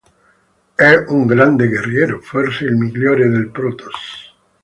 È un grande guerriero, forse il migliore dei Protoss.